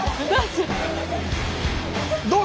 どう？